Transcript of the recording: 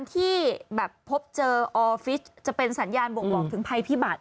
ที่แบบพบเจอออฟฟิศจะเป็นสัญญาณบ่งบอกถึงภัยพิบัติ